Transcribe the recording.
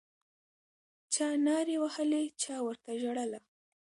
چا نارې وهلې چا ورته ژړله